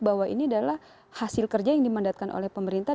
bahwa ini adalah hasil kerja yang dimandatkan oleh pemerintah